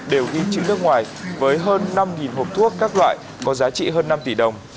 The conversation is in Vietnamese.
đều ghi chữ nước ngoài với hơn năm hộp thuốc các loại có giá trị hơn năm tỷ đồng